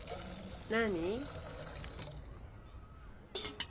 何？